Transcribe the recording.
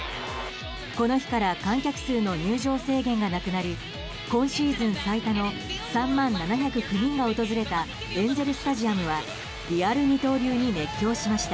この日から観客数の入場制限がなくなり今シーズン最多の３万７０９人が訪れたエンゼル・スタジアムはリアル二刀流に熱狂しました。